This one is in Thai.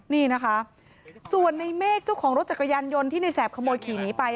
นี่นะคะส่วนในเมฆเจ้าของรถจักรยานยนต์ที่ในแสบขโมยขี่หนีไป